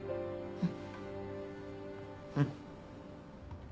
うん。